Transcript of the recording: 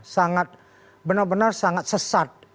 sangat benar benar sangat sesat